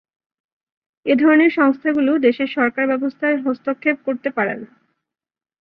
এ ধরনের সংস্থাগুলো দেশের সরকার ব্যবস্থায় হস্তক্ষেপ করতে পারে না।